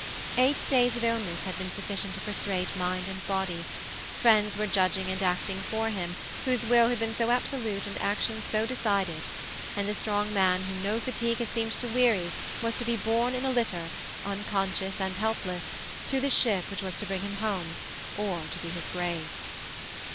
Eight days of illness had been sufficient to prostrate mind and body. Friends were judging and acting for him whose will had been so absolute and actions so decided; and the strong man whom no fatigue had seemed to weary, was to be borne in a litter, unconscious and helpless, to the ship which was to bring him home, or to be his grave.